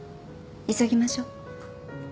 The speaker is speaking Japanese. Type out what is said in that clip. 急ぎましょ。